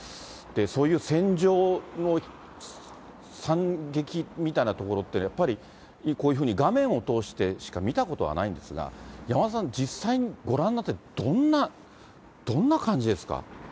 そういう戦場の惨劇みたいなところって、やっぱりこういうふうに画面を通してしか見たことはないんですが、山田さん、実際ご覧になって、どんな、どんな感じですか。